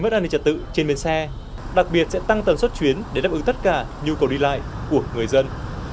trật tự trên bến xe đặc biệt sẽ tăng tầm suất chuyến để đáp ứng tất cả nhu cầu đi lại của người dân